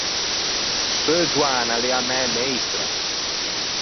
Seu Gioana a l’ea a mæ meistra.